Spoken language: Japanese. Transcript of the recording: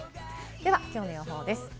ではきょうの予報です。